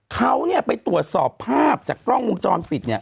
เขาไปตรวจสอบภาพจากกล้องมุมจรปิด